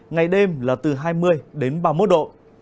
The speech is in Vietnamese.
ngày đêm là từ hai mươi đến ba mươi một độ